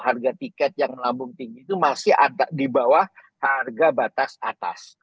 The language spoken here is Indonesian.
nah kalau harga tiket yang lambung tinggi itu masih ada di bawah harga batas atas